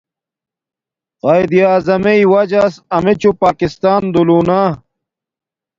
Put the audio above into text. قایداعظمݵݵ واجس امچوں پاکسان دولونا